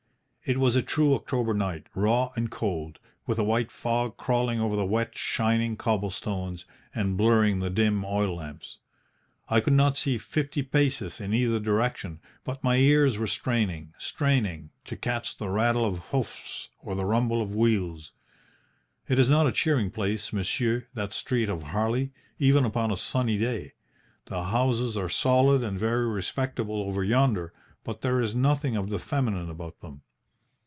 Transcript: It was a true October night, raw and cold, with a white fog crawling over the wet, shining cobblestones, and blurring the dim oil lamps. I could not see fifty paces in either direction, but my ears were straining, straining, to catch the rattle of hoofs or the rumble of wheels. It is not a cheering place, monsieur, that street of Harley, even upon a sunny day. The houses are solid and very respectable over yonder, but there is nothing of the feminine about them.